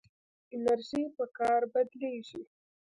انرژي په کار بدلېږي.